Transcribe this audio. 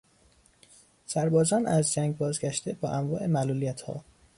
سربازان از جنگ بازگشته با انواع معلولیتها